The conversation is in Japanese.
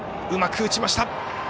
うまく打ちました。